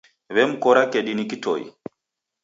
Wemkora kedi ni kitoi.